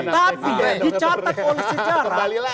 tapi dicatat polisi sejarah